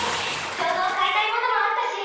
ちょうど買いたいものもあったし。